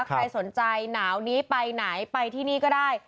ใครสนใจหนาวนี้ไปไหนไปที่นี่ก็ได้